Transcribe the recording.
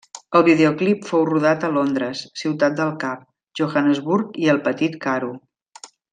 El videoclip fou rodat a Londres, Ciutat del Cap, Johannesburg i el Petit Karoo.